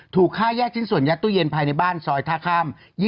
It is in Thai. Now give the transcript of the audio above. ถูกฆ่าแยกชิ้นส่วนยัดตู้เย็นภายในบ้านซอยท่าข้าม